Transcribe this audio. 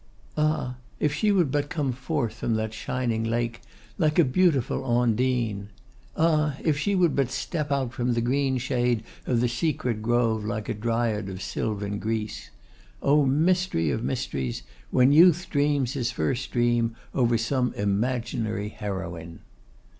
Ah! if she would but come forth from that shining lake like a beautiful Ondine! Ah, if she would but step out from the green shade of that secret grove like a Dryad of sylvan Greece! O mystery of mysteries, when youth dreams his first dream over some imaginary heroine!